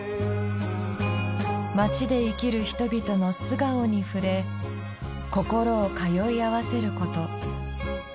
街で生きる人々の素顔に触れ心を通い合わせること。